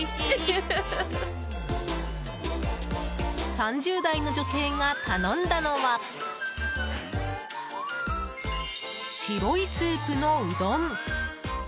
３０代の女性が頼んだのは白いスープのうどん。